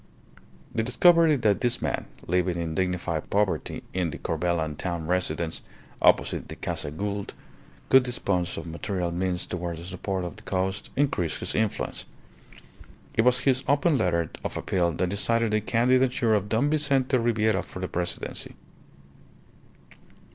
The discovery that this man, living in dignified poverty in the Corbelan town residence (opposite the Casa Gould), could dispose of material means towards the support of the cause increased his influence. It was his open letter of appeal that decided the candidature of Don Vincente Ribiera for the Presidency.